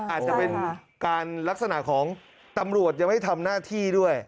อาจจะเป็นการลักษณะของตำรวจยังไม่ทำหน้าที่ด้วย